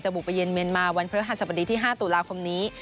บุกไปเย็นเมียนมาวันพฤหัสบดีที่๕ตุลาคมนี้